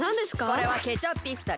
これはケチャッピストル！